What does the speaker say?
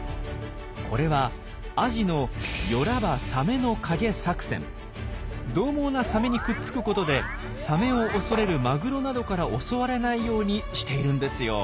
これはアジのどう猛なサメにくっつくことでサメを恐れるマグロなどから襲われないようにしているんですよ。